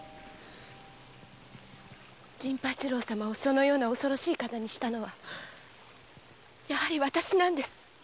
陣八郎様をそのような恐ろしい方にしたのはやはり私です。